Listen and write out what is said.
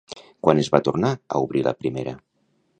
Quan es va tornar a obrir la primera?